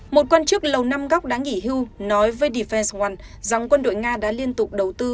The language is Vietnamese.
một quan chức lầu năm góc đã nghỉ hưu nói với defesel rằng quân đội nga đã liên tục đầu tư